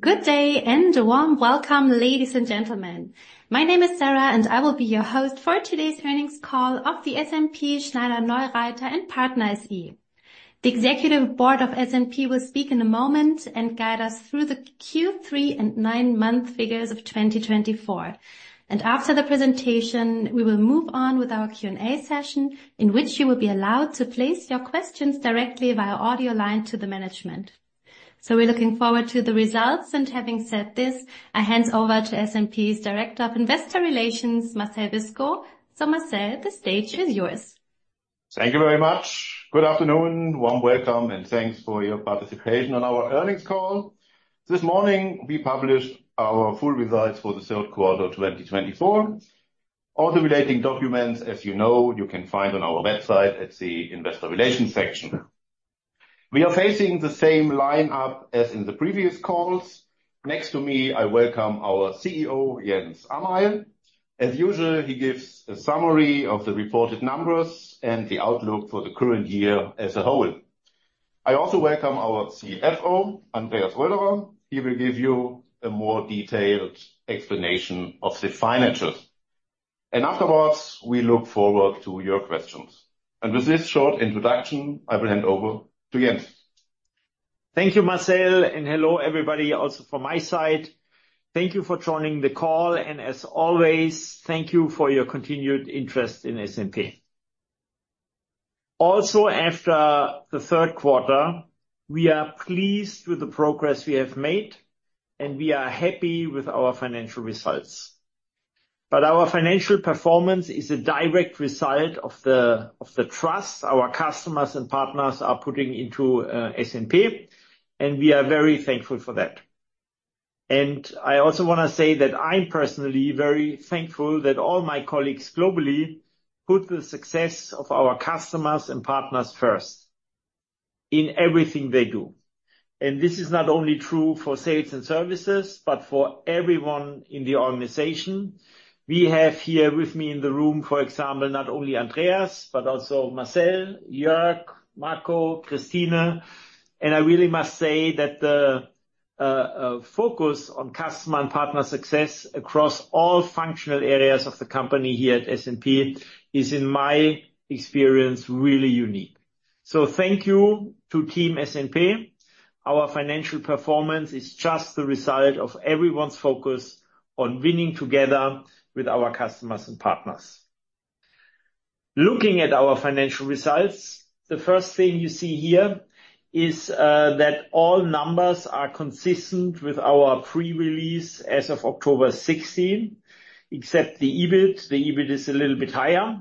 Good day and a warm welcome, ladies and gentlemen. My name is Sarah, and I will be your host for Today's Earnings Call of the SNP Schneider-Neureither & Partner SE. The Executive Board of SNP will speak in a moment and guide us through the Q3 and nine-month figures of 2024. And after the presentation, we will move on with our Q&A session, in which you will be allowed to place your questions directly via audio line to the management. So we're looking forward to the results. And having said this, I hand over to SNP's Director of Investor Relations, Marcel Wiskow. So Marcel, the stage is yours. Thank you very much. Good afternoon, warm welcome, and thanks for your participation on our earnings call. This morning, we published our full results for the third quarter 2024. All the relating documents, as you know, you can find on our website at the Investor Relations section. We are facing the same lineup as in the previous calls. Next to me, I welcome our CEO, Jens Amail. As usual, he gives a summary of the reported numbers and the outlook for the current year as a whole. I also welcome our CFO, Andreas Röderer. He will give you a more detailed explanation of the financials. And afterwards, we look forward to your questions. And with this short introduction, I will hand over to Jens. Thank you, Marcel, and hello everybody also from my side. Thank you for joining the call, and as always, thank you for your continued interest in SNP. Also, after the third quarter, we are pleased with the progress we have made, and we are happy with our financial results, but our financial performance is a direct result of the trust our customers and partners are putting into SNP, and we are very thankful for that, and I also want to say that I'm personally very thankful that all my colleagues globally put the success of our customers and partners first in everything they do, and this is not only true for sales and services, but for everyone in the organization. We have here with me in the room, for example, not only Andreas, but also Marcel, Jörg, Marco, Christine. I really must say that the focus on customer and partner success across all functional areas of the company here at SNP is, in my experience, really unique. Thank you to Team SNP. Our financial performance is just the result of everyone's focus on winning together with our customers and partners. Looking at our financial results, the first thing you see here is that all numbers are consistent with our pre-release as of October 16, except the EBIT. The EBIT is a little bit higher.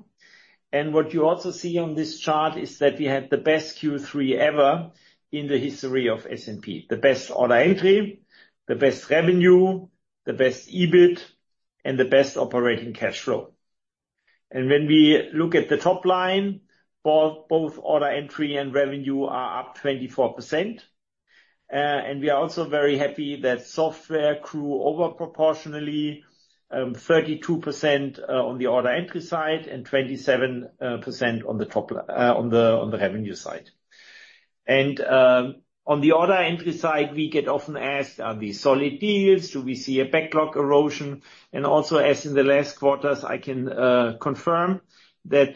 What you also see on this chart is that we had the best Q3 ever in the history of SNP, the best order entry, the best revenue, the best EBIT, and the best operating cash flow. When we look at the top line, both order entry and revenue are up 24%. We are also very happy that software grew overproportionally, 32% on the order entry side and 27% on the revenue side. On the order entry side, we get often asked, are these solid deals? Do we see a backlog erosion? Also, as in the last quarters, I can confirm that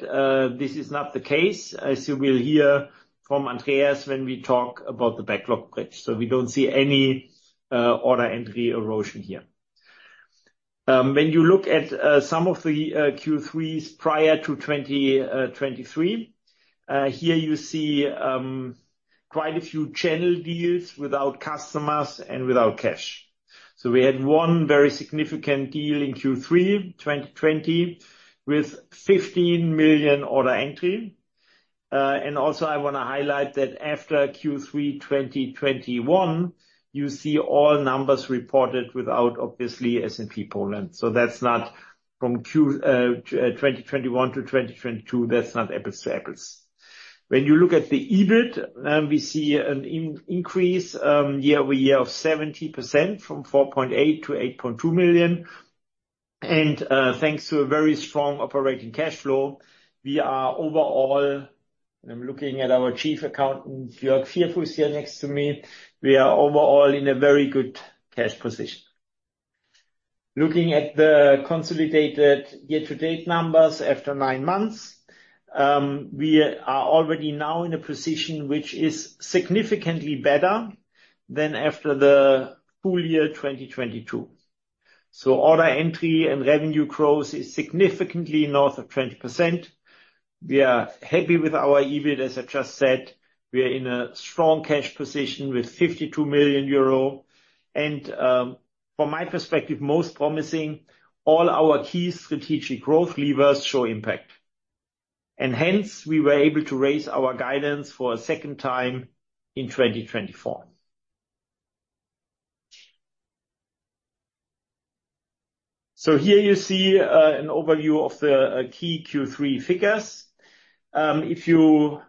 this is not the case, as you will hear from Andreas when we talk about the backlog bridge. We don't see any order entry erosion here. When you look at some of the Q3s prior to 2023, here you see quite a few channel deals without customers and without cash. We had one very significant deal in Q3 2020 with 15 million order entry. I want to highlight that after Q3 2021, you see all numbers reported without, obviously, SNP Poland. That's not from 2021 to 2022, that's not apples to apples. When you look at the EBIT, we see an increase year-over-year of 70% from 4.8 million-8.2 million. Thanks to a very strong operating cash flow, we are overall, and I'm looking at our Chief Accountant, Jörg Fervers, here next to me, overall in a very good cash position. Looking at the consolidated year-to-date numbers after nine months, we are already now in a position which is significantly better than after the full year 2022. Order entry and revenue growth is significantly north of 20%. We are happy with our EBIT, as I just said. We are in a strong cash position with 52 million euro. From my perspective, most promising, all our key strategic growth levers show impact. Hence, we were able to raise our guidance for a second time in 2024. So here you see an overview of the key Q3 figures. If you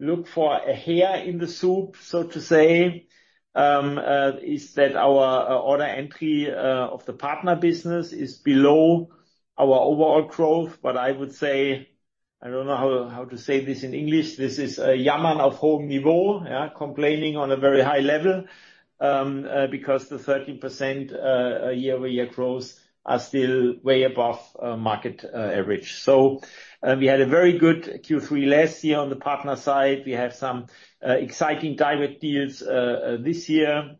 look for a hair in the soup, so to say, is that our order entry of the partner business is below our overall growth. But I would say, I don't know how to say this in English, this is a Jammern auf hohem Niveau, complaining on a very high level, because the 13% year-over-year growth are still way above market average. So we had a very good Q3 last year on the partner side. We have some exciting direct deals this year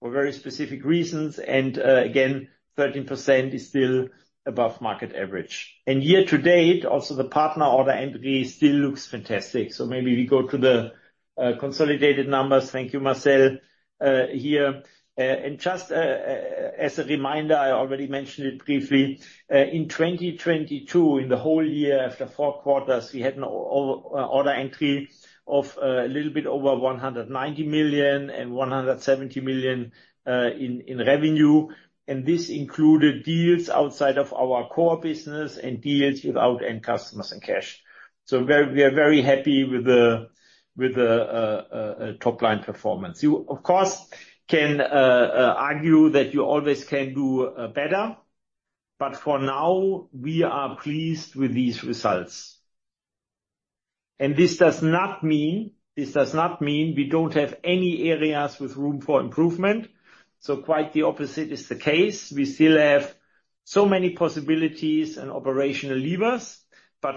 for very specific reasons. And again, 13% is still above market average. And year-to-date, also the partner order entry still looks fantastic. So maybe we go to the consolidated numbers. Thank you, Marcel, here. Just as a reminder, I already mentioned it briefly. In 2022, in the whole year, after four quarters, we had an order entry of a little bit over 190 million and 170 million in revenue. This included deals outside of our core business and deals without end customers and cash. We are very happy with the top-line performance. You, of course, can argue that you always can do better. For now, we are pleased with these results. This does not mean we don't have any areas with room for improvement. Quite the opposite is the case. We still have so many possibilities and operational levers.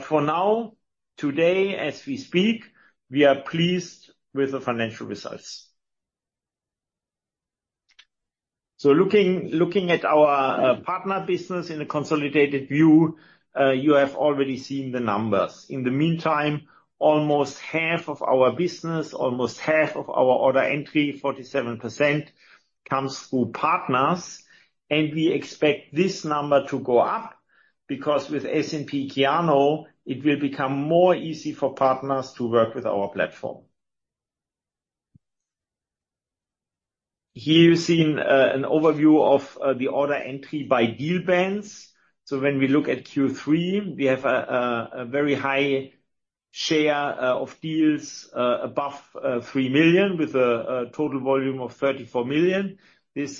For now, today, as we speak, we are pleased with the financial results. Looking at our partner business in a consolidated view, you have already seen the numbers. In the meantime, almost half of our business, almost half of our order entry, 47%, comes through partners, and we expect this number to go up because with SNP Kyano, it will become more easy for partners to work with our platform. Here you've seen an overview of the order entry by deal bands. When we look at Q3, we have a very high share of deals above 3 million with a total volume of 34 million. This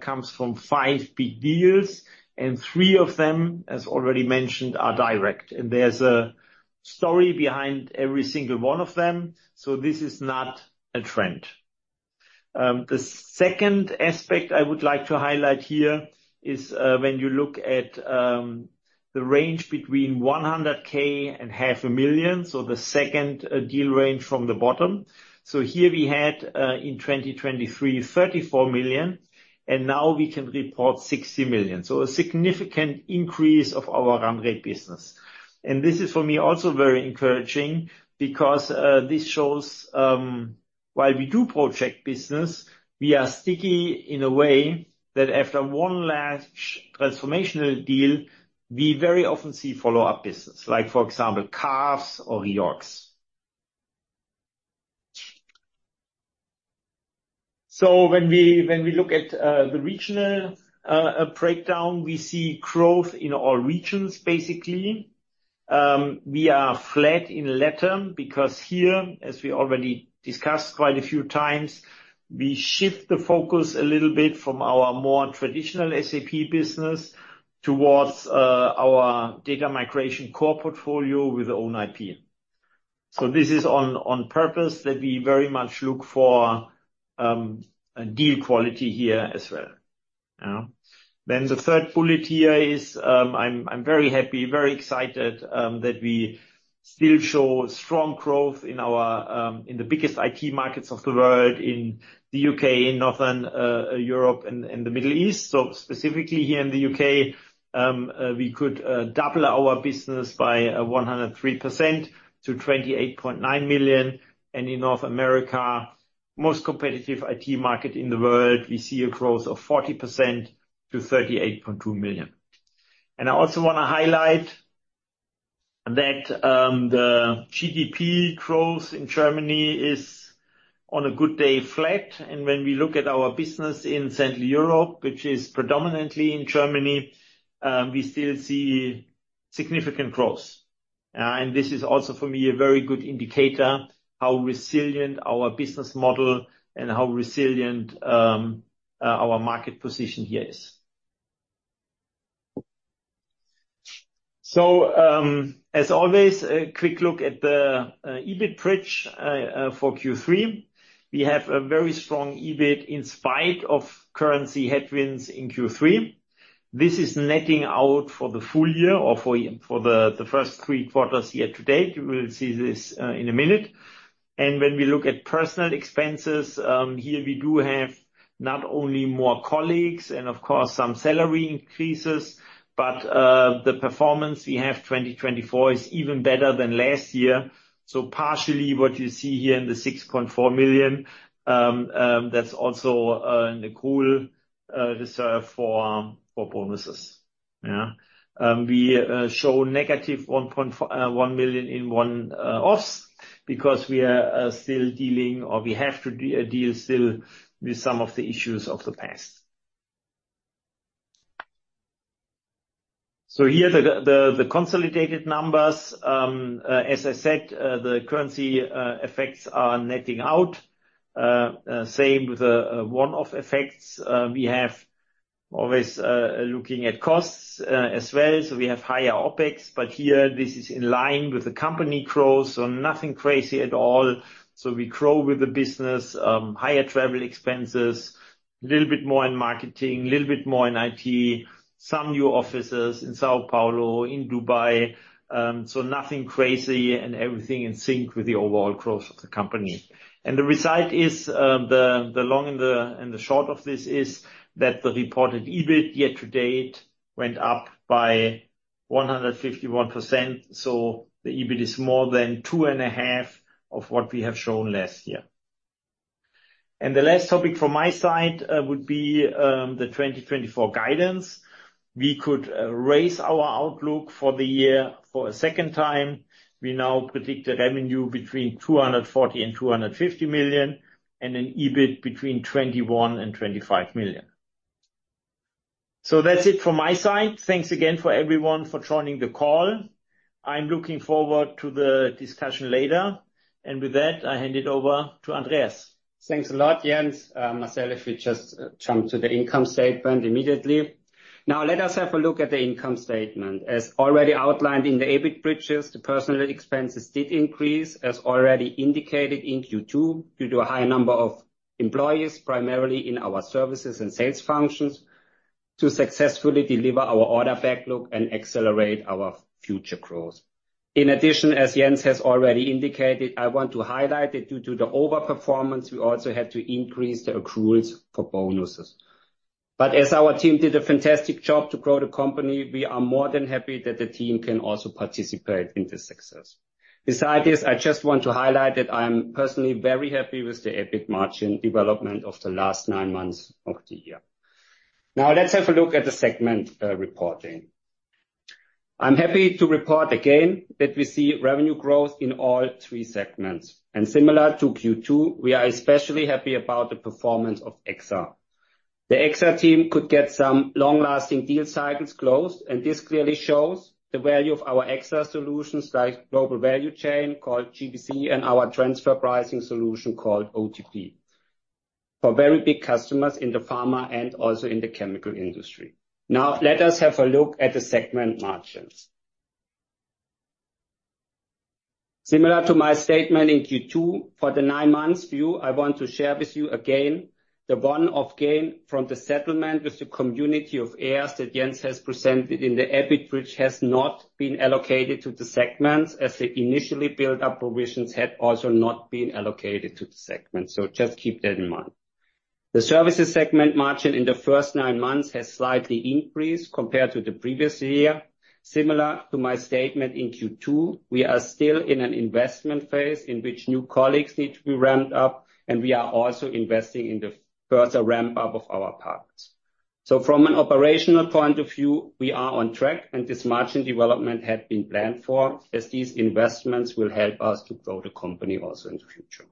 comes from 5 big deals, and 3 of them, as already mentioned, are direct, and there's a story behind every single one of them, so this is not a trend. The second aspect I would like to highlight here is when you look at the range between 100K and 500,000, so the second deal range from the bottom, so here we had in 2023, 34 million. And now we can report 60 million. So a significant increase of our run rate business. And this is for me also very encouraging because this shows while we do project business, we are sticky in a way that after one large transformational deal, we very often see follow-up business, like for example, carve-outs. So when we look at the regional breakdown, we see growth in all regions, basically. We are flat in LATAM because here, as we already discussed quite a few times, we shift the focus a little bit from our more traditional SAP business towards our data migration core portfolio with own IP. So this is on purpose that we very much look for deal quality here as well. Then the third bullet here is I'm very happy, very excited that we still show strong growth in the biggest IT markets of the world, in the U.K., in Northern Europe, and the Middle East. So specifically here in the U.K., we could double our business by 103% to 28.9 million EUR. And in North America, most competitive IT market in the world, we see a growth of 40% to 38.2 million EUR. And I also want to highlight that the GDP growth in Germany is on a good day flat. And when we look at our business in Central Europe, which is predominantly in Germany, we still see significant growth. And this is also for me a very good indicator how resilient our business model and how resilient our market position here is. So as always, a quick look at the EBIT bridge for Q3. We have a very strong EBIT in spite of currency headwinds in Q3. This is netting out for the full year or for the first three quarters year-to-date. You will see this in a minute, and when we look at personnel expenses, here we do have not only more colleagues and of course some salary increases, but the performance we have 2024 is even better than last year. So partially what you see here in the 6.4 million, that's also a cool reserve for bonuses. We show negative 1 million in one-offs because we are still dealing or we have to deal still with some of the issues of the past. So here the consolidated numbers, as I said, the currency effects are netting out. Same with the one-off effects. We have always looking at costs as well. We have higher OpEx, but here this is in line with the company growth. Nothing crazy at all. We grow with the business, higher travel expenses, a little bit more in marketing, a little bit more in IT, some new offices in São Paulo, in Dubai. Nothing crazy and everything in sync with the overall growth of the company. The result is the long and the short of this is that the reported EBIT year-to-date went up by 151%. The EBIT is more than two and a half of what we have shown last year. The last topic from my side would be the 2024 guidance. We could raise our outlook for the year for a second time. We now predict a revenue between 240 million and 250 million and an EBIT between 21 million and 25 million. That's it from my side. Thanks again to everyone for joining the call. I'm looking forward to the discussion later. With that, I hand it over to Andreas. Thanks a lot, Jens. Marcel, if we just jump to the income statement immediately. Now let us have a look at the income statement. As already outlined in the EBIT bridges, the personnel expenses did increase, as already indicated in Q2 due to a high number of employees, primarily in our services and sales functions, to successfully deliver our order backlog and accelerate our future growth. In addition, as Jens has already indicated, I want to highlight that due to the overperformance, we also had to increase the accruals for bonuses. But as our team did a fantastic job to grow the company, we are more than happy that the team can also participate in this success. Beside this, I just want to highlight that I'm personally very happy with the EBIT margin development of the last nine months of the year. Now let's have a look at the segment reporting. I'm happy to report again that we see revenue growth in all three segments. And similar to Q2, we are especially happy about the performance of EXA. The EXA team could get some long-lasting deal cycles closed, and this clearly shows the value of our EXA solutions like Global Value Chain called GVC and our transfer pricing solution called OTP for very big customers in the pharma and also in the chemical industry. Now let us have a look at the segment margins. Similar to my statement in Q2, for the nine months view, I want to share with you again the one-off gain from the settlement with the community of heirs that Jens has presented in the EBIT bridge has not been allocated to the segments as the initially built-up provisions had also not been allocated to the segments. So just keep that in mind. The services segment margin in the first nine months has slightly increased compared to the previous year. Similar to my statement in Q2, we are still in an investment phase in which new colleagues need to be ramped up, and we are also investing in the further ramp-up of our partners. So from an operational point of view, we are on track, and this margin development had been planned for as these investments will help us to grow the company also in the future.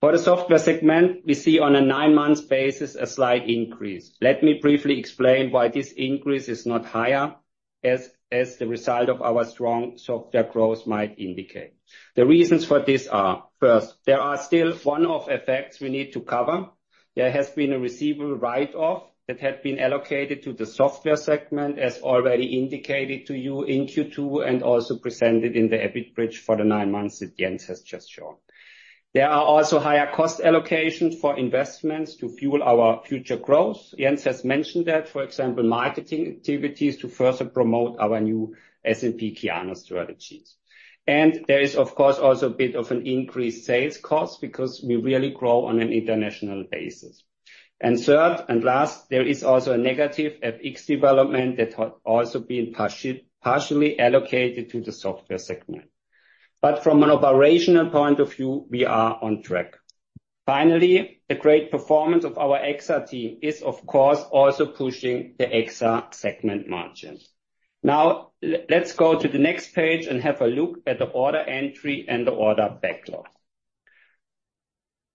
For the software segment, we see on a nine-month basis a slight increase. Let me briefly explain why this increase is not higher as the result of our strong software growth might indicate. The reasons for this are first, there are still one-off effects we need to cover. There has been a receivable write-off that had been allocated to the software segment, as already indicated to you in Q2 and also presented in the EBIT bridge for the nine months that Jens has just shown. There are also higher cost allocations for investments to fuel our future growth. Jens has mentioned that, for example, marketing activities to further promote our new SNP Kyano strategies. And there is, of course, also a bit of an increased sales cost because we really grow on an international basis. Third and last, there is also a negative FX development that had also been partially allocated to the software segment. But from an operational point of view, we are on track. Finally, the great performance of our EXA team is, of course, also pushing the EXA segment margins. Now let's go to the next page and have a look at the order entry and the order backlog.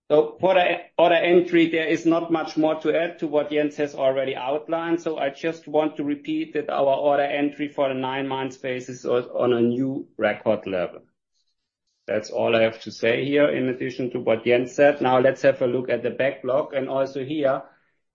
For the order entry, there is not much more to add to what Jens has already outlined. I just want to repeat that our order entry for the nine-month basis is on a new record level. That's all I have to say here in addition to what Jens said. Now let's have a look at the backlog. Also here,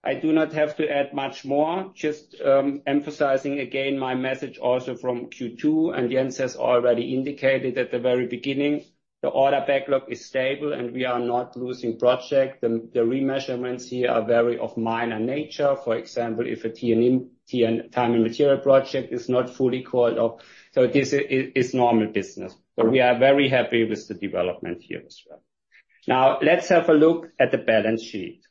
I do not have to add much more, just emphasizing again my message also from Q2. Jens has already indicated at the very beginning, the order backlog is stable and we are not losing projects. The remeasurements here are very of minor nature. For example, if a T&M time and material project is not fully called up, so this is normal business. We are very happy with the development here as well. Now let's have a look at the balance sheet.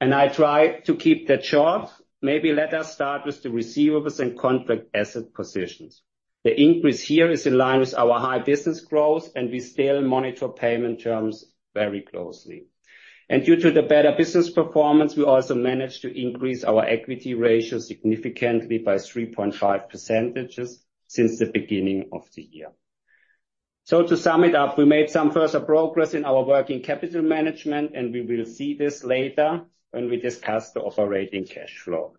I try to keep that short. Maybe let us start with the receivables and contract asset positions. The increase here is in line with our high business growth, and we still monitor payment terms very closely. Due to the better business performance, we also managed to increase our equity ratio significantly by 3.5% since the beginning of the year. To sum it up, we made some further progress in our working capital management, and we will see this later when we discuss the operating cash flow.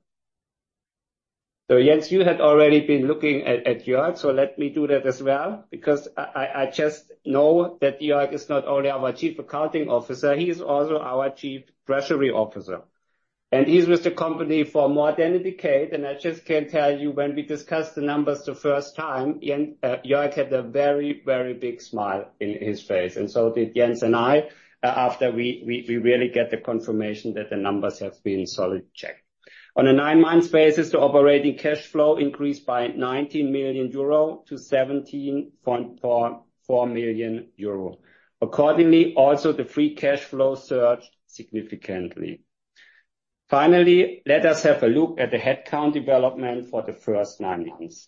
Jens, you had already been looking at Jörg, so let me do that as well because I just know that Jörg is not only our Chief Accounting Officer, he is also our Chief Treasury Officer. And he's with the company for more than a decade. And I just can tell you when we discussed the numbers the first time, Jörg had a very, very big smile in his face. And so did Jens and I after we really get the confirmation that the numbers have been solid checked. On a nine-month basis, the operating cash flow increased by 19 million-17.4 million euro. Accordingly, also the free cash flow surged significantly. Finally, let us have a look at the headcount development for the first nine months.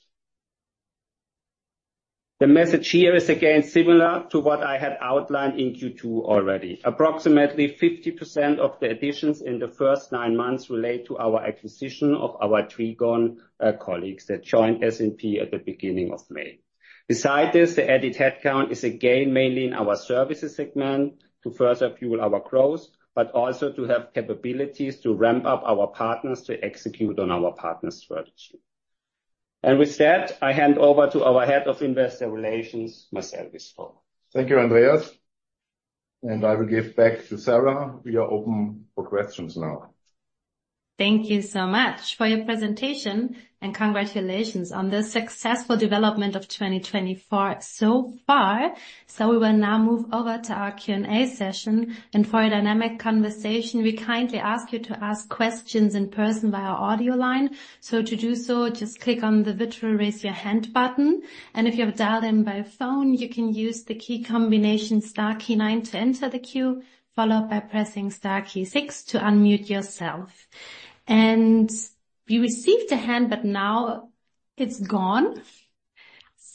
The message here is again similar to what I had outlined in Q2 already. Approximately 50% of the additions in the first nine months relate to our acquisition of our Trigon colleagues that joined SNP at the beginning of May. Besides this, the added headcount is again mainly in our services segment to further fuel our growth, but also to have capabilities to ramp up our partners to execute on our partner strategy. With that, I hand over to our head of investor relations, Marcel Wiskow. Thank you, Andreas. And I will give back to Sarah. We are open for questions now. Thank you so much for your presentation and congratulations on the successful development of 2024 so far. We will now move over to our Q&A session. For a dynamic conversation, we kindly ask you to ask questions in person via audio line. So to do so, just click on the virtual raise your hand button. If you have dialed in by phone, you can use the key combination star key nine to enter the queue, followed by pressing star key six to unmute yourself. You received a hand, but now it's gone.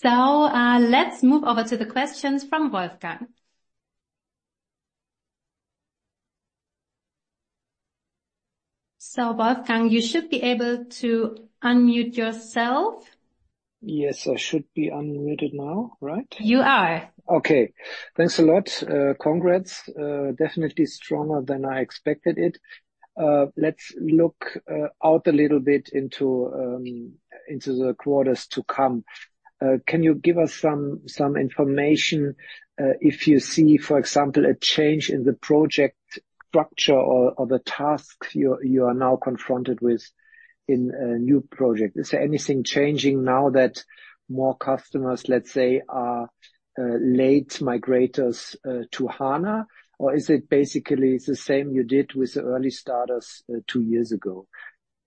Let's move over to the questions from Wolfgang. Wolfgang, you should be able to unmute yourself. Yes, I should be unmuted now, right? You are. Okay. Thanks a lot. Congrats. Definitely stronger than I expected it. Let's look out a little bit into the quarters to come. Can you give us some information if you see, for example, a change in the project structure or the tasks you are now confronted with in a new project? Is there anything changing now that more customers, let's say, are late migrators to HANA? Or is it basically the same you did with the early starters two years ago?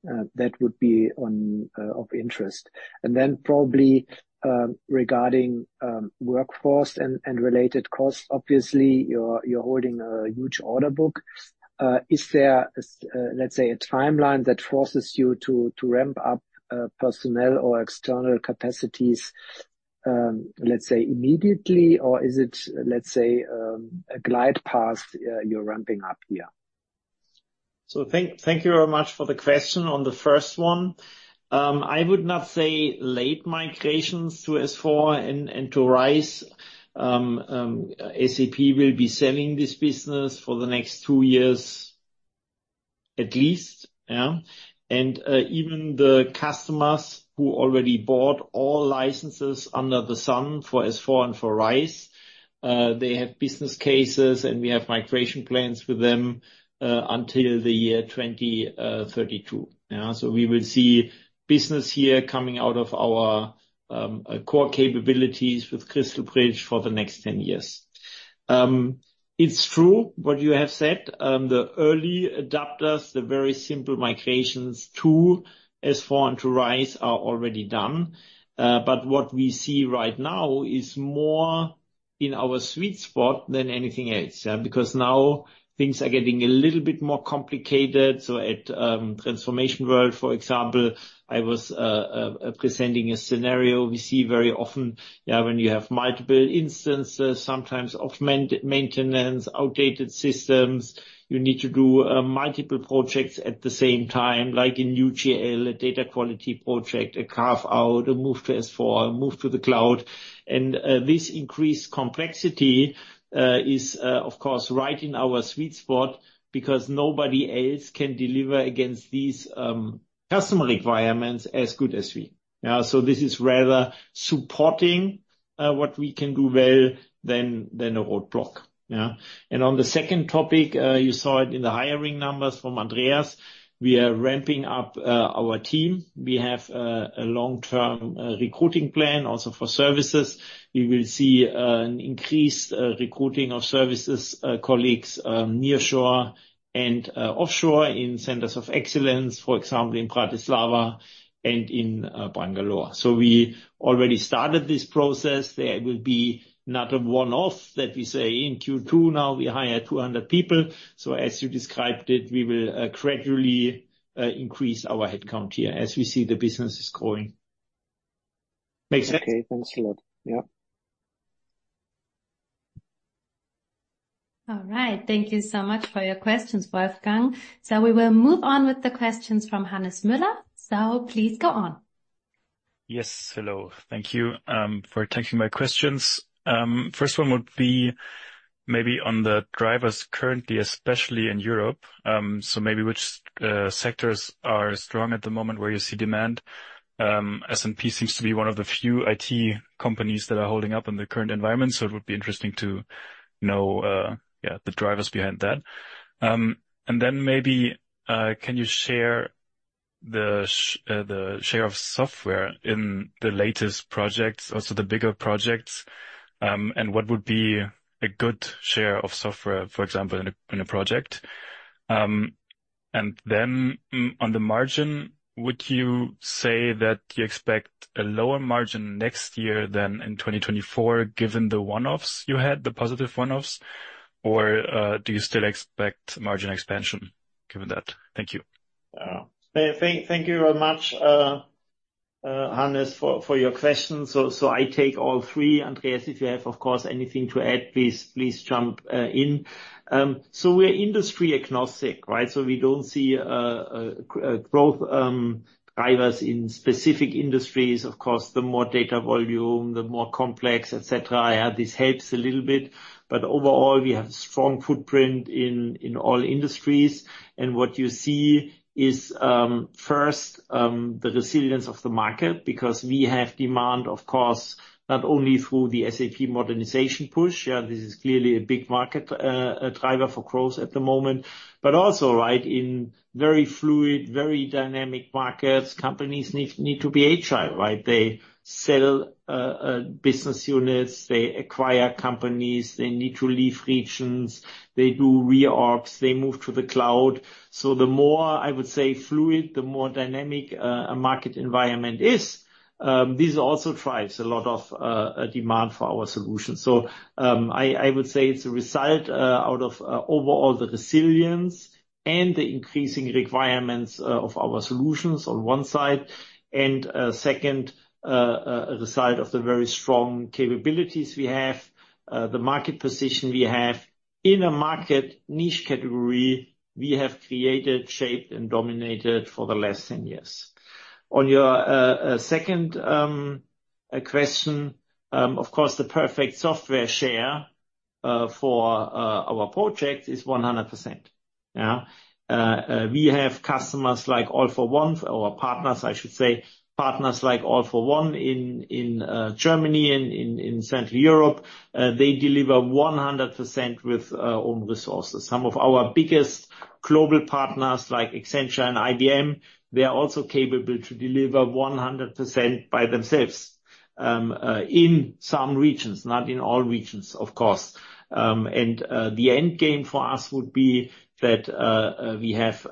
That would be of interest. And then probably regarding workforce and related costs, obviously, you're holding a huge order book. Is there, let's say, a timeline that forces you to ramp up personnel or external capacities, let's say, immediately? Or is it, let's say, a glide path you're ramping up here? So thank you very much for the question on the first one. I would not say late migrations to S/4 and to RISE. SAP will be selling this business for the next two years at least. And even the customers who already bought all licenses under the sun for S/4 and for RISE, they have business cases and we have migration plans with them until the year 2032. So we will see business here coming out of our core capabilities with Crystal Bridge for the next 10 years. It's true what you have said. The early adopters, the very simple migrations to S/4 and to RISE are already done. But what we see right now is more in our sweet spot than anything else because now things are getting a little bit more complicated. So at Transformation World, for example, I was presenting a scenario we see very often when you have multiple instances, sometimes of maintenance, outdated systems. You need to do multiple projects at the same time, like in UGL, a data quality project, a carve-out, a move to S/4, a move to the cloud. And this increased complexity is, of course, right in our sweet spot because nobody else can deliver against these customer requirements as good as we. So this is rather supporting what we can do well than a roadblock. And on the second topic, you saw it in the hiring numbers from Andreas. We are ramping up our team. We have a long-term recruiting plan also for services. We will see an increased recruiting of services colleagues nearshore and offshore in centers of excellence, for example, in Bratislava and in Bangalore. So we already started this process. There will be another one-off that we say in Q2. Now we hire 200 people. So as you described it, we will gradually increase our headcount here as we see the business is growing. Makes sense? Okay, thanks a lot. Yeah. All right. Thank you so much for your questions, Wolfgang. So we will move on with the questions from Hannes Müller. So please go on. Yes, hello. Thank you for taking my questions. First one would be maybe on the drivers currently, especially in Europe. So maybe which sectors are strong at the moment where you see demand? SNP seems to be one of the few IT companies that are holding up in the current environment. So it would be interesting to know the drivers behind that. And then maybe can you share the share of software in the latest projects, also the bigger projects, and what would be a good share of software, for example, in a project? And then on the margin, would you say that you expect a lower margin next year than in 2024 given the one-offs you had, the positive one-offs? Or do you still expect margin expansion given that? Thank you. Thank you very much, Hannes, for your questions. So I take all three. Andreas, if you have, of course, anything to add, please jump in. So we're industry agnostic, right? So we don't see growth drivers in specific industries. Of course, the more data volume, the more complex, etc. This helps a little bit. But overall, we have a strong footprint in all industries. And what you see is first the resilience of the market because we have demand, of course, not only through the SAP modernization push. This is clearly a big market driver for growth at the moment, but also right in very fluid, very dynamic markets. Companies need to be agile, right? They sell business units, they acquire companies, they need to leave regions, they do reorgs, they move to the cloud. So the more, I would say, fluid, the more dynamic a market environment is, this also drives a lot of demand for our solutions. I would say it's a result out of overall the resilience and the increasing requirements of our solutions on one side. And second, a result of the very strong capabilities we have, the market position we have in a market niche category we have created, shaped, and dominated for the last 10 years. On your second question, of course, the perfect software share for our project is 100%. We have customers like All for One, our partners, I should say, partners like All for One in Germany and in Central Europe. They deliver 100% with own resources. Some of our biggest global partners like Accenture and IBM, they are also capable to deliver 100% by themselves in some regions, not in all regions, of course. The end game for us would be that we have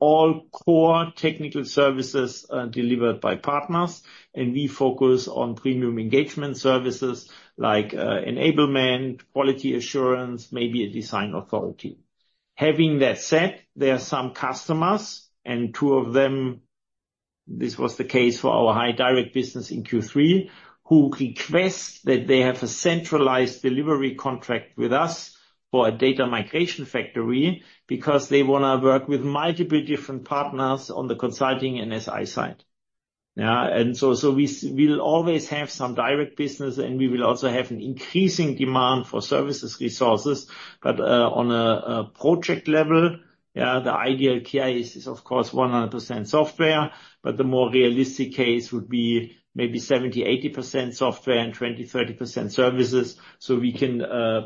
all core technical services delivered by partners, and we focus on premium engagement services like enablement, quality assurance, maybe a design authority. Having that said, there are some customers, and two of them, this was the case for our high direct business in Q3, who request that they have a centralized delivery contract with us for a data migration factory because they want to work with multiple different partners on the consulting and SI side. So we will always have some direct business, and we will also have an increasing demand for services resources. But on a project level, the ideal case is, of course, 100% software, but the more realistic case would be maybe 70%-80% software and 20%-30% services so we can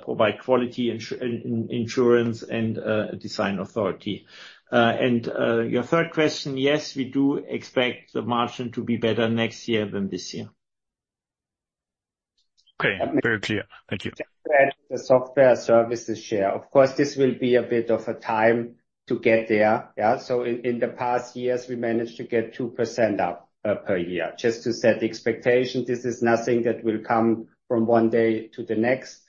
provide quality assurance and design authority. Your third question, yes, we do expect the margin to be better next year than this year. Okay, very clear. Thank you. The software services share. Of course, this will be a bit of a time to get there. In the past years, we managed to get 2% up per year. Just to set the expectation, this is nothing that will come from one day to the next.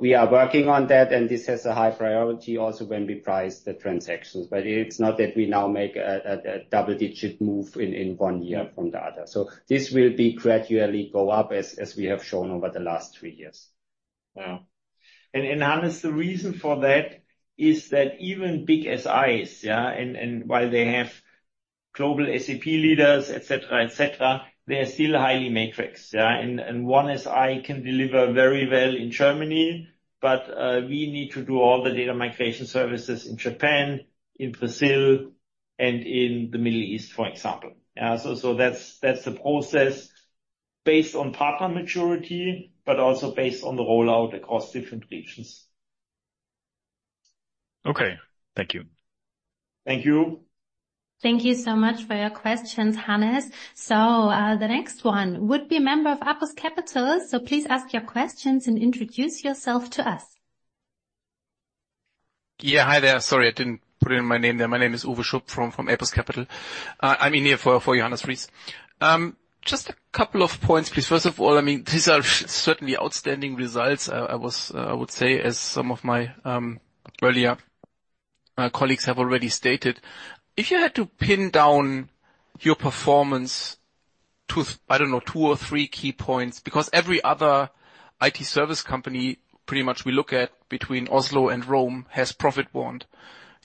We are working on that, and this has a high priority also when we price the transactions. It's not that we now make a double-digit move in one year from the other. This will gradually go up as we have shown over the last three years. Hannes, the reason for that is that even big SIs, and while they have global SAP leaders, etc., etc., they are still highly matrix. And one SI can deliver very well in Germany, but we need to do all the data migration services in Japan, in Brazil, and in the Middle East, for example. So that's the process based on partner maturity, but also based on the rollout across different regions. Okay, thank you. Thank you. Thank you so much for your questions, Hannes. So the next one would be a member of Apus Capital. So please ask your questions and introduce yourself to us. Yeah, hi there. Sorry, I didn't put in my name there. My name is Uwe Schupp from Apus Capital. I'm in here for Johannes, please. Just a couple of points, please. First of all, I mean, these are certainly outstanding results, I would say, as some of my earlier colleagues have already stated. If you had to pin down your performance to, I don't know, two or three key points, because every other IT service company pretty much we look at between Oslo and Rome has profit warned.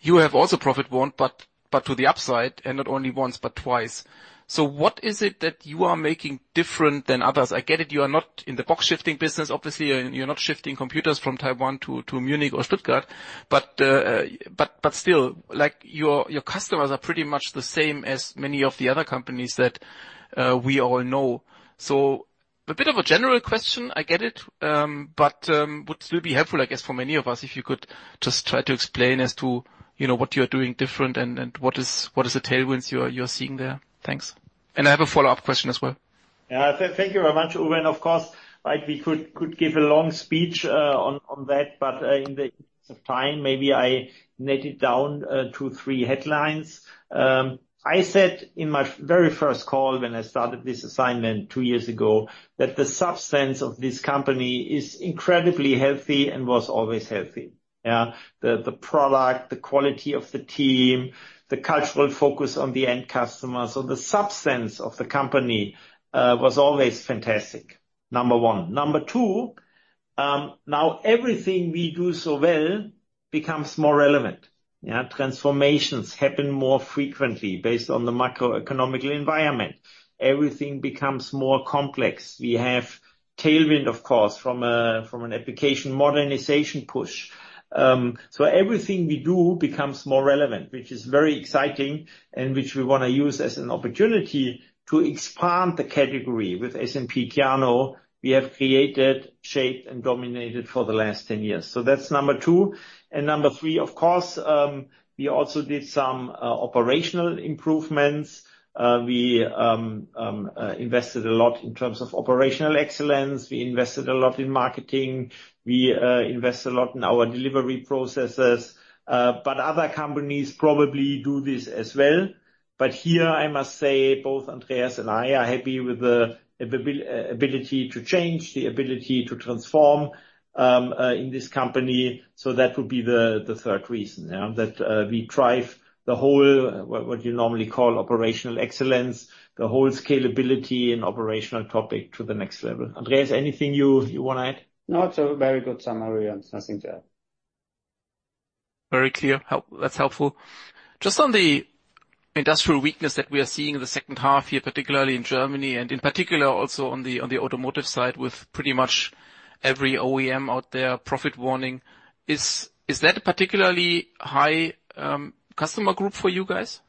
You have also profit warned, but to the upside and not only once, but twice. So what is it that you are making different than others? I get it. You are not in the box shifting business, obviously. You're not shifting computers from Taiwan to Munich or Stuttgart. But still, your customers are pretty much the same as many of the other companies that we all know. So a bit of a general question, I get it, but would still be helpful, I guess, for many of us if you could just try to explain as to what you're doing different and what is the tailwinds you're seeing there. Thanks. I have a follow-up question as well. Thank you very much, Uwe. Of course, we could give a long speech on that, but in the time maybe I netted down two or three headlines. I said in my very first call when I started this assignment two years ago that the substance of this company is incredibly healthy and was always healthy. The product, the quality of the team, the cultural focus on the end customer. The substance of the company was always fantastic. Number one. Number two, now everything we do so well becomes more relevant. Transformations happen more frequently based on the macroeconomic environment. Everything becomes more complex. We have tailwind, of course, from an application modernization push. Everything we do becomes more relevant, which is very exciting and which we want to use as an opportunity to expand the category with SNP Kyano. We have created, shaped, and dominated for the last 10 years, so that's number two, and number three, of course, we also did some operational improvements. We invested a lot in terms of operational excellence. We invested a lot in marketing. We invest a lot in our delivery processes, but other companies probably do this as well, but here, I must say, both Andreas and I are happy with the ability to change, the ability to transform in this company, so that would be the third reason that we drive the whole what you normally call operational excellence, the whole scalability and operational topic to the next level. Andreas, anything you want to add? No, it's a very good summary and nothing to add. Very clear. That's helpful. Just on the industrial weakness that we are seeing in the second half here, particularly in Germany, and in particular also on the automotive side with pretty much every OEM out there profit warning, is that a particularly high customer group for you guys?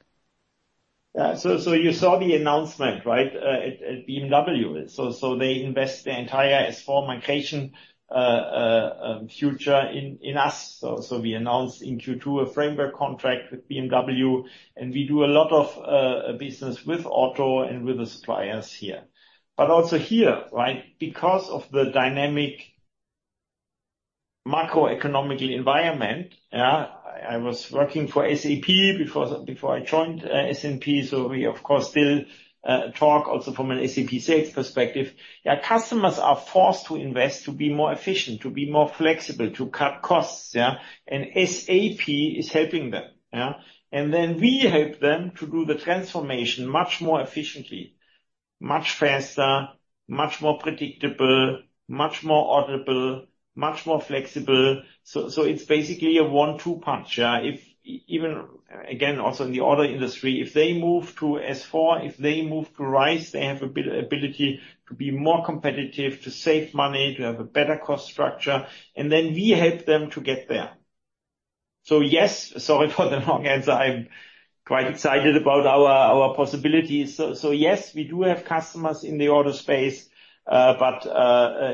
So you saw the announcement, right, at BMW. So they invest the entire S4 migration future in us. So we announced in Q2 a framework contract with BMW, and we do a lot of business with Audi and with the suppliers here. But also here, right, because of the dynamic macroeconomic environment, I was working for SAP before I joined SNP. So we, of course, still talk also from an SAP sales perspective. Customers are forced to invest to be more efficient, to be more flexible, to cut costs, and SAP is helping them. And then we help them to do the transformation much more efficiently, much faster, much more predictable, much more auditable, much more flexible. So it's basically a one-two punch. Even again, also in the auto industry, if they move to S4, if they move to RISE, they have the ability to be more competitive, to save money, to have a better cost structure. And then we help them to get there. So yes, sorry for the long answer. I'm quite excited about our possibilities. So yes, we do have customers in the auto space. But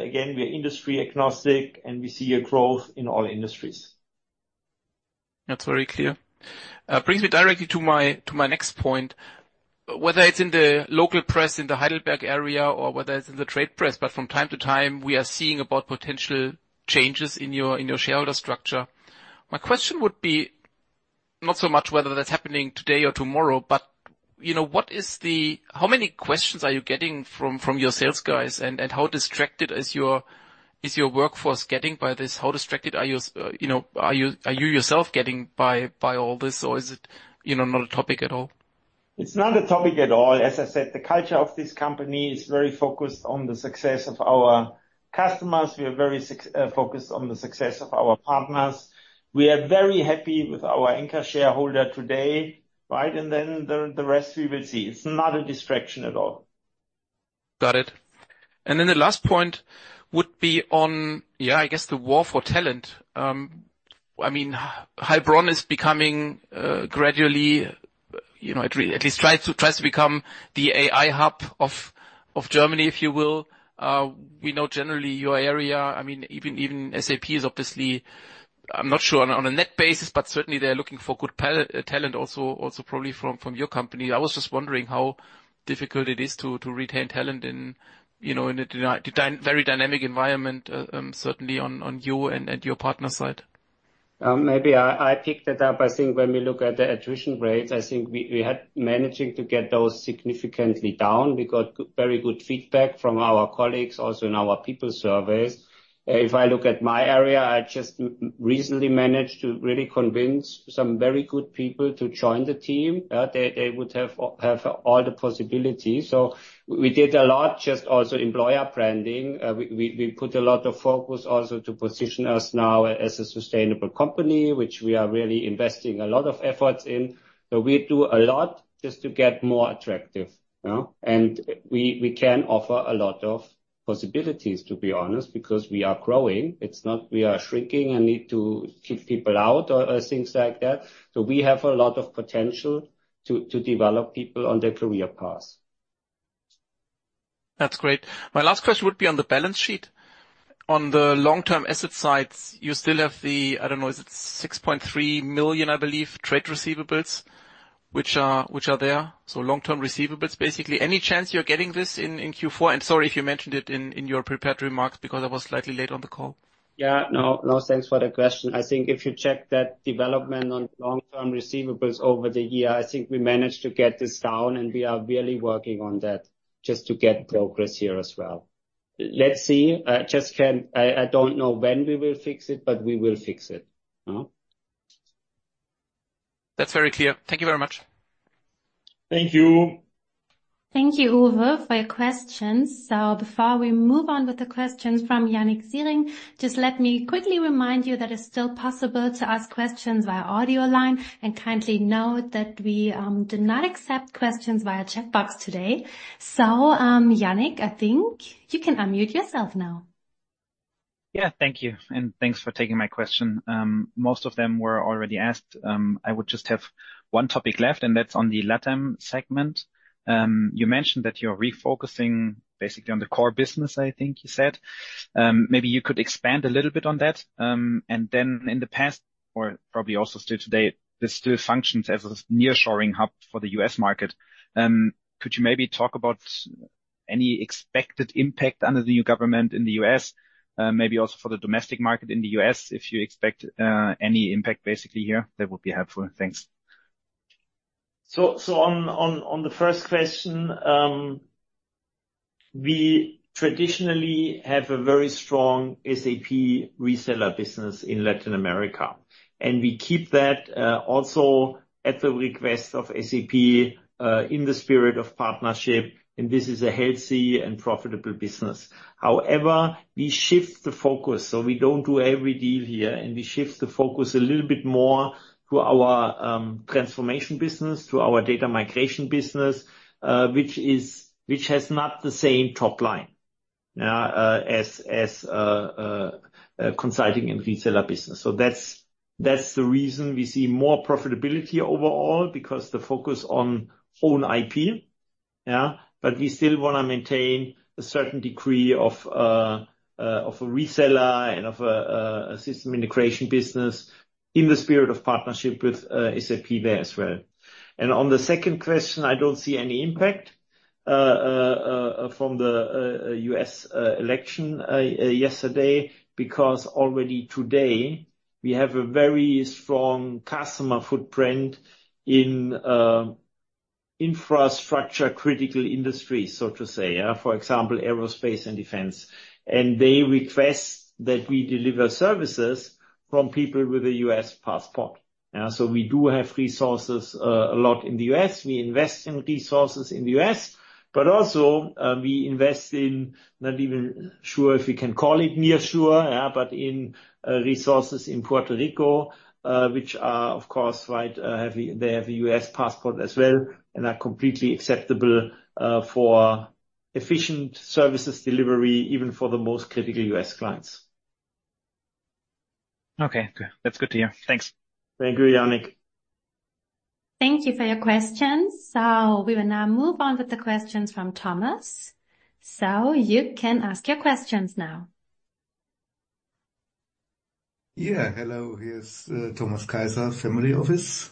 again, we're industry agnostic, and we see a growth in all industries. That's very clear. Brings me directly to my next point. Whether it's in the local press in the Heidelberg area or whether it's in the trade press, but from time to time, we are seeing about potential changes in your shareholder structure. My question would be not so much whether that's happening today or tomorrow, but what is the how many questions are you getting from your sales guys, and how distracted is your workforce getting by this? How distracted are you yourself getting by all this, or is it not a topic at all? It's not a topic at all. As I said, the culture of this company is very focused on the success of our customers. We are very focused on the success of our partners. We are very happy with our Anker shareholder today, right? And then the rest, we will see. It's not a distraction at all. Got it. And then the last point would be on, yeah, I guess the war for talent. I mean, Heilbronn is becoming gradually, at least tries to become the AI hub of Germany, if you will. We know generally your area. I mean, even SAP is obviously. I'm not sure on a net basis, but certainly they're looking for good talent also probably from your company. I was just wondering how difficult it is to retain talent in a very dynamic environment, certainly on you and your partner side. Maybe I picked it up. I think when we look at the attrition rates, I think we had managing to get those significantly down. We got very good feedback from our colleagues also in our people surveys. If I look at my area, I just recently managed to really convince some very good people to join the team. They would have all the possibilities. So we did a lot just also employer branding. We put a lot of focus also to position us now as a sustainable company, which we are really investing a lot of efforts in. So we do a lot just to get more attractive. And we can offer a lot of possibilities, to be honest, because we are growing. It's not we are shrinking and need to kick people out or things like that. So we have a lot of potential to develop people on their career paths. That's great. My last question would be on the balance sheet. On the long-term asset side, you still have the, I don't know, is it 6.3 million, I believe, trade receivables, which are there? So long-term receivables, basically. Any chance you're getting this in Q4? And sorry if you mentioned it in your prepared remarks because I was slightly late on the call. Yeah. No, thanks for the question. I think if you check that development on long-term receivables over the year, I think we managed to get this down, and we are really working on that just to get progress here as well. Let's see. I don't know when we will fix it, but we will fix it. That's very clear. Thank you very much. Thank you. Thank you, Uwe, for your questions. So before we move on with the questions from Jannik Siering, just let me quickly remind you that it's still possible to ask questions via audio line. And kindly note that we do not accept questions via checkbox today. So Jannik, I think you can unmute yourself now. Yeah, thank you. And thanks for taking my question. Most of them were already asked. I would just have one topic left, and that's on the LATAM segment. You mentioned that you're refocusing basically on the core business, I think you said. Maybe you could expand a little bit on that. And then in the past, or probably also still today, this still functions as a nearshoring hub for the U.S. market. Could you maybe talk about any expected impact under the new government in the U.S., maybe also for the domestic market in the U.S., if you expect any impact basically here? That would be helpful. Thanks. So on the first question, we traditionally have a very strong SAP reseller business in Latin America. And we keep that also at the request of SAP in the spirit of partnership. And this is a healthy and profitable business. However, we shift the focus. So we don't do every deal here, and we shift the focus a little bit more to our transformation business, to our data migration business, which has not the same top line as consulting and reseller business. So that's the reason we see more profitability overall because the focus on own IP. But we still want to maintain a certain degree of a reseller and of a system integration business in the spirit of partnership with SAP there as well. And on the second question, I don't see any impact from the U.S. election yesterday because already today we have a very strong customer footprint in infrastructure-critical industries, so to say, for example, aerospace and defense. And they request that we deliver services from people with a U.S. passport. So we do have resources a lot in the U.S. We invest in resources in the U.S., but also we invest in, not even sure if we can call it nearshore, but in resources in Puerto Rico, which are, of course, right? They have a U.S. passport as well and are completely acceptable for efficient services delivery, even for the most critical U.S. clients. Okay. Good. That's good to hear. Thanks. Thank you, Jannik. Thank you for your questions. So we will now move on with the questions from Thomas. So you can ask your questions now. Yeah. Hello. Here's Thomas Kaiser, family office.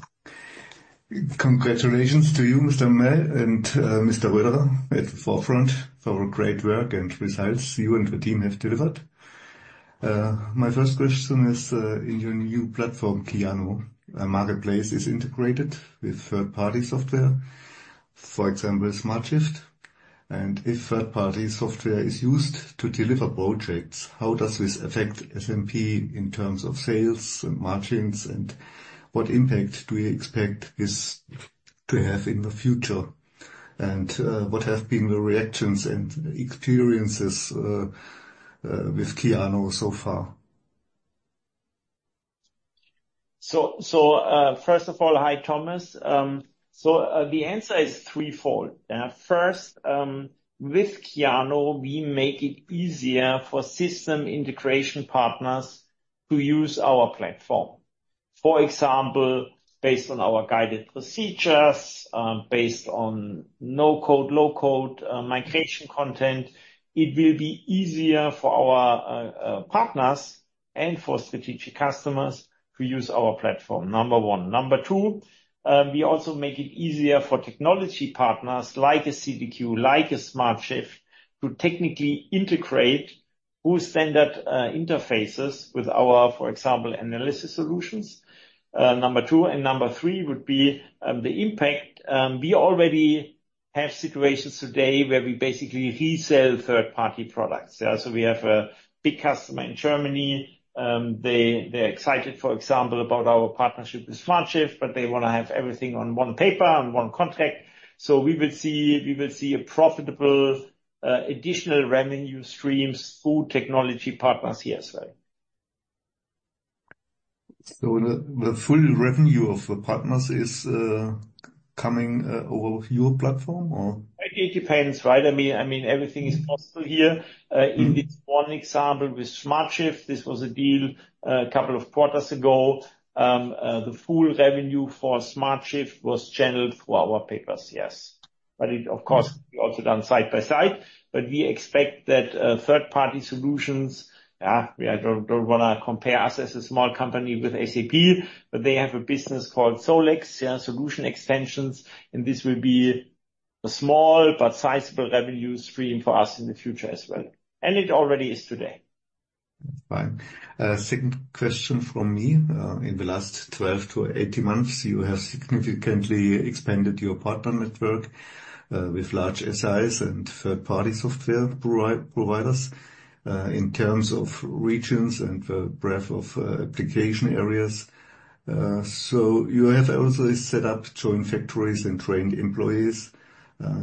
Congratulations to you, Mr. Amail and Mr. Röderer at the forefront for great work and results you and the team have delivered. My first question is, in your new platform, Kyano, a marketplace is integrated with third-party software, for example, smartShift. If third-party software is used to deliver projects, how does this affect SNP in terms of sales and margins? What impact do you expect this to have in the future? What have been the reactions and experiences with Kyano so far? First of all, hi, Thomas. The answer is threefold. First, with Kyano, we make it easier for system integration partners to use our platform. For example, based on our guided procedures, based on no-code, low-code migration content, it will be easier for our partners and for strategic customers to use our platform, number one. Number two, we also make it easier for technology partners like a CDQ, like a smartShift, to technically integrate full-standard interfaces with our, for example, analysis solutions, number two. Number three would be the impact. We already have situations today where we basically resell third-party products. So we have a big customer in Germany. They're excited, for example, about our partnership with smartShift, but they want to have everything on one paper and one contract. So we will see a profitable additional revenue stream through technology partners here as well. So the full revenue of the partners is coming over your platform, or? It depends, right? I mean, everything is possible here. In this one example with smartShift, this was a deal a couple of quarters ago. The full revenue for smartShift was channeled through our papers, yes. But of course, we also done side by side. But we expect that third-party solutions, yeah, we don't want to compare us as a small company with SAP, but they have a business called SolEx, solution extensions. And this will be a small but sizable revenue stream for us in the future as well. It already is today. Fine. Second question from me. In the last 12 to 18 months, you have significantly expanded your partner network with large SIs and third-party software providers in terms of regions and the breadth of application areas. You have also set up joint factories and trained employees.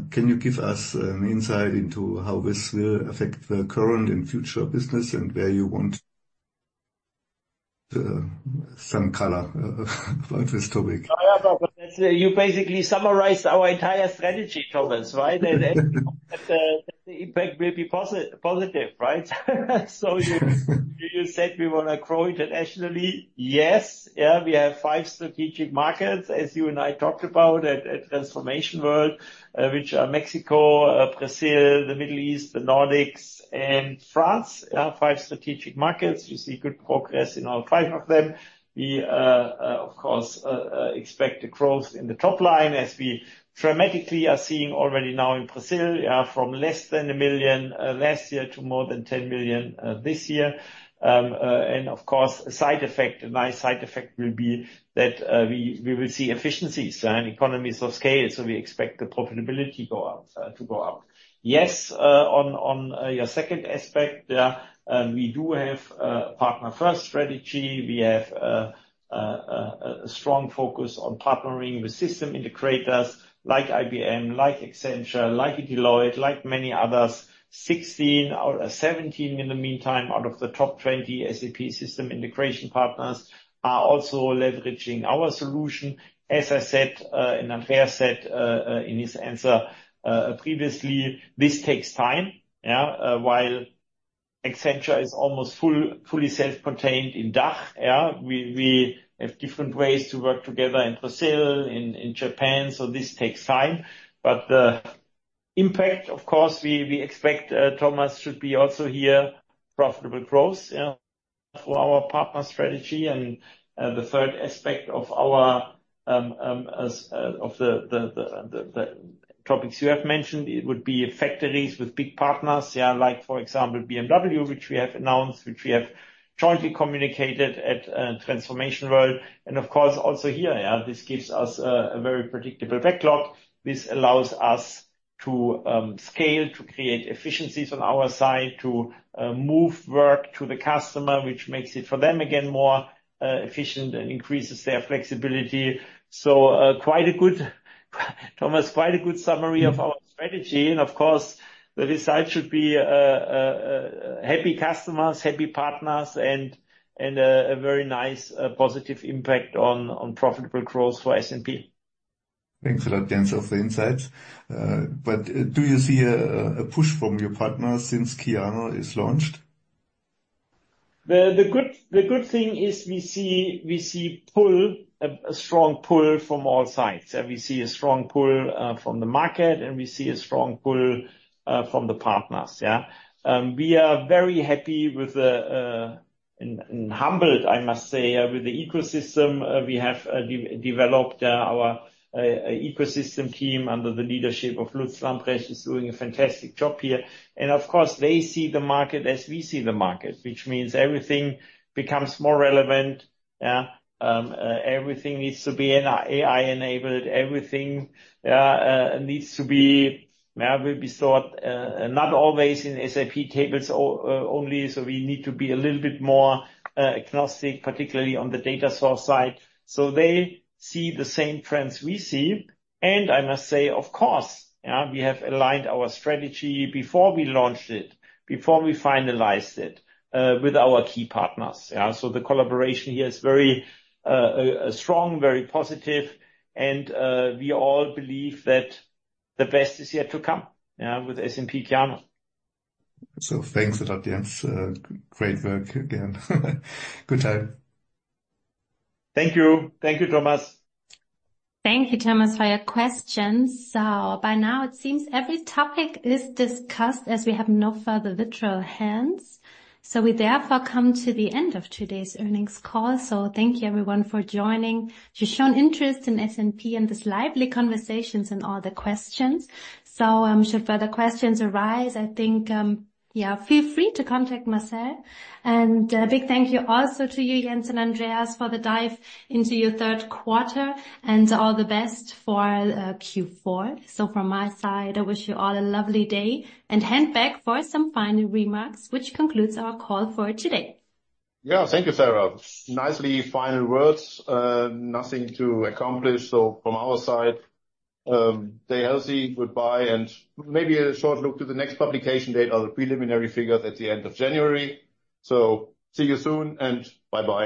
Can you give us an insight into how this will affect the current and future business and where you want some color about this topic? You basically summarized our entire strategy, Thomas, right? That the impact will be positive, right? You said we want to grow internationally. Yes. Yeah. We have five strategic markets, as you and I talked about, at Transformation World, which are Mexico, Brazil, the Middle East, the Nordics, and France. Five strategic markets. You see good progress in all five of them. We, of course, expect the growth in the top line, as we dramatically are seeing already now in Brazil, from less than 1 million last year to more than 10 million this year. And of course, a side effect, a nice side effect will be that we will see efficiencies and economies of scale. So we expect the profitability to go up. Yes, on your second aspect, we do have a partner-first strategy. We have a strong focus on partnering with system integrators like IBM, like Accenture, like Deloitte, like many others. 16 or 17 in the meantime out of the top 20 SAP system integration partners are also leveraging our solution. As I said, and Andreas said in his answer previously, this takes time. While Accenture is almost fully self-contained in DACH, we have different ways to work together in Brazil, in Japan. So this takes time. But the impact, of course, we expect. Thomas should be also here, profitable growth through our partner strategy. And the third aspect of the topics you have mentioned, it would be factories with big partners, like for example, BMW, which we have announced, which we have jointly communicated at Transformation World. And of course, also here, this gives us a very predictable backlog. This allows us to scale, to create efficiencies on our side, to move work to the customer, which makes it for them again more efficient and increases their flexibility. So quite a good, Thomas, quite a good summary of our strategy. And of course, the result should be happy customers, happy partners, and a very nice positive impact on profitable growth for SNP. Thanks a lot, Jens, for the insights. But do you see a push from your partners since Kyano is launched? The good thing is we see a strong pull from all sides. We see a strong pull from the market, and we see a strong pull from the partners. We are very happy with and humbled, I must say, with the ecosystem. We have developed our ecosystem team under the leadership of Lutz Lambrecht. He's doing a fantastic job here, and of course, they see the market as we see the market, which means everything becomes more relevant. Everything needs to be AI-enabled. Everything needs to be, will be thought not always in SAP tables only. So we need to be a little bit more agnostic, particularly on the data source side. So they see the same trends we see, and I must say, of course, we have aligned our strategy before we launched it, before we finalized it with our key partners. So the collaboration here is very strong, very positive. And we all believe that the best is yet to come with SNP Kyano. So thanks a lot, Jens. Great work again. Good time. Thank you. Thank you, Thomas. Thank you, Thomas, for your questions. So by now, it seems every topic is discussed as we have no further virtual hands. So we therefore come to the end of today's earnings call. So thank you, everyone, for joining. You've shown interest in SNP and these lively conversations and all the questions. So should further questions arise, I think, yeah, feel free to contact Marcel. And a big thank you also to you, Jens and Andreas, for the dive into your third quarter. And all the best for Q4. So from my side, I wish you all a lovely day and hand back for some final remarks, which concludes our call for today. Yeah, thank you, Sarah. Nicely final words, nothing to accomplish. So from our side, stay healthy, goodbye, and maybe a short look to the next publication date or the preliminary figures at the end of January. So see you soon and bye-bye.